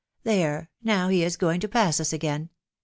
There, now, he is going to pass us again.